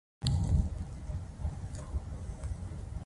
واکمنان د خپل اقتصاد بیا تنظیم په فکر کې شول.